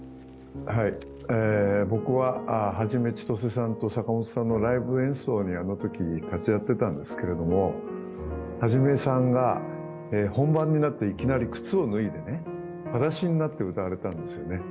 僕は元ちとせさんと坂本さんのライブ演奏にあのとき立ち会ってたんですけれども、元さんが本番になっていきなり靴を脱いで、はだしになった歌われたんですね。